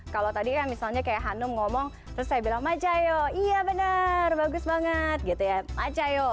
kalau tadi kan misalnya kayak hanum ngomong terus saya bilang majayo iya benar bagus banget gitu ya majayo